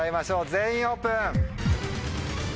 全員オープン！